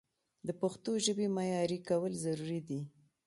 د پښتو ژبې معیاري کول ضروري دي.